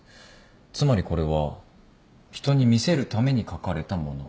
つまりこれは人に見せるために書かれたもの。